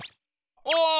お！